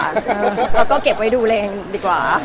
เราก็เก็บไว้ดูเลยดีกว่า